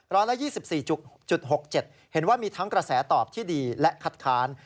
ร้อยละ๒๔๖๗เห็นว่ามีทั้งกระแสตอบที่ดีและคัดค้าน